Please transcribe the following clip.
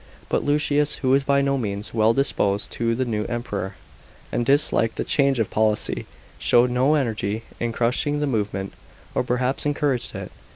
But Lusius, who was by no means well disposed to the new Emperor, and disliked the change of policy, showed no energy in crushing the movement, or perhaps encouraged it.